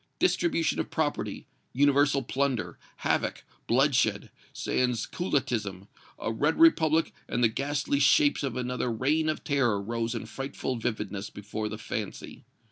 Distribution of property, universal plunder, havoc, bloodshed, sans culottism, a red republic and the ghastly shapes of another Reign of Terror rose in frightful vividness before the fancy.